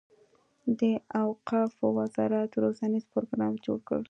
د اوقافو وزارت روزنیز پروګرام جوړ کړي.